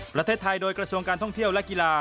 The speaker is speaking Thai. ประเทศไทยโดยกระทรวงการท่องเที่ยวและกีฬา